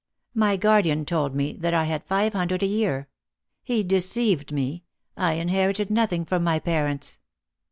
My guardian told me that I had five hundred a year. He deceived me; I inherited nothing from my parents."